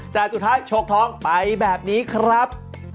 แต่สุดท้ายชกท้องไปแบบนี้ครับ